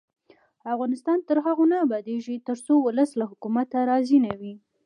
افغانستان تر هغو نه ابادیږي، ترڅو ولس له حکومته راضي نه وي.